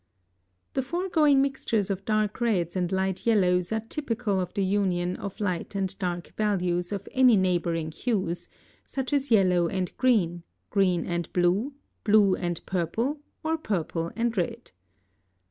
(72) The foregoing mixtures of dark reds and light yellows are typical of the union of light and dark values of any neighboring hues, such as yellow and green, green and blue, blue and purple, or purple and red.